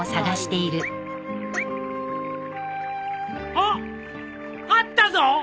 あっあったぞ！